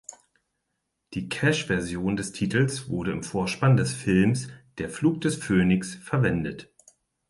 Die Cash-Version des Titels wurde im Vorspann des Films Der Flug des Phoenix verwendet.